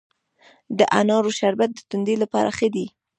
د انارو شربت د تندې لپاره ښه دی.